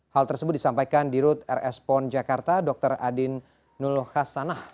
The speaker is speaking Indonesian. hal tersebut disampaikan di rut rs pon jakarta dr adin nul hasanah